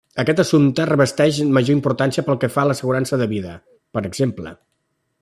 Aquest assumpte revesteix major importància pel que fa a l'assegurança de vida, per exemple.